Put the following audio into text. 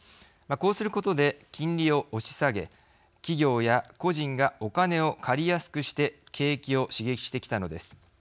こうすることで、金利を押し下げ企業や個人がお金を借りやすくして景気を刺激してきたのです。